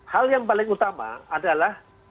hal yang paling utama adalah